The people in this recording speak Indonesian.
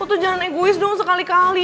tuh jangan egois dong sekali kali